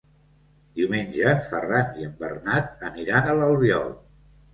Diumenge en Ferran i en Bernat aniran a l'Albiol.